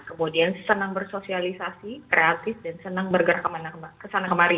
kemudian senang bersosialisasi kreatif dan senang bergerak ke sana kemari